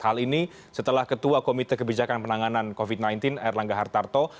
hal ini setelah ketua komite kebijakan penanganan covid sembilan belas erlangga hartarto